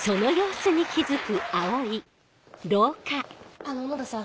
あの小野田さん。